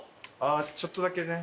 ちょっとだけね。